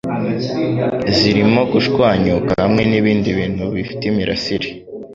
zirimo gushwanyuka hamwe n'ibindi bintu bifite imirasire